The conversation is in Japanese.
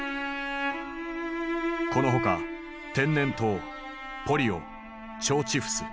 この他天然痘ポリオ腸チフス。